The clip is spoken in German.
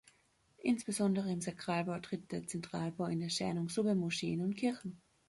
Insbesondere im Sakralbau tritt der Zentralbau in Erscheinung, so bei Moscheen und Kirchen.